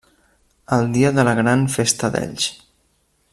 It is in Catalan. El dia de la gran Festa d'Elx.